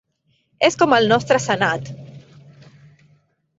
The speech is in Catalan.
És com el nostre senat.